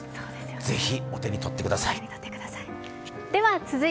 ぜひお手に取ってください。